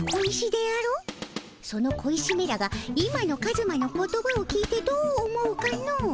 その小石めらが今のカズマの言葉を聞いてどう思うかの？